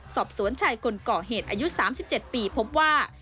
สอบสวนชายคนก่อเหตุอายุ๓๗ปีพบว่า